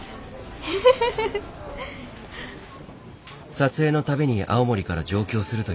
撮影のたびに青森から上京するという彼女。